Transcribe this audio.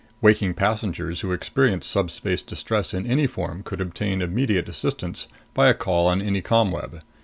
Waking passengers who experienced subspace distress in any form could obtain immediate assistance by a call on any ComWeb.